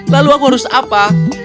lalu aku harus apa